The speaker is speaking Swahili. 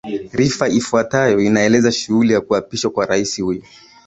rifa ifuatayo inaelezea shughuli ya kuapishwa kwa rais huyo